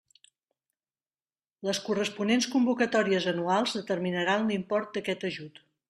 Les corresponents convocatòries anuals determinaran l'import d'aquest ajut.